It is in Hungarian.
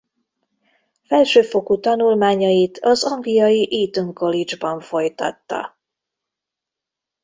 Felsőfokú tanulmányait az angliai Eton College-ban folytatta.